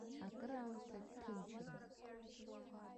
Акраамҭа ҭынчран.